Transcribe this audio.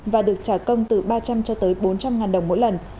và được trả công từ ba trăm linh cho tới bốn trăm linh ngàn đồng mỗi lần